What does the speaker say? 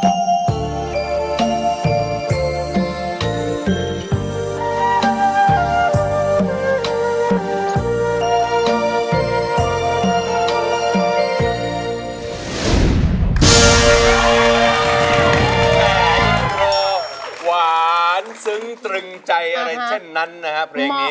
แต่พอหวานซึ้งตรึงใจอะไรเช่นนั้นนะครับเพลงนี้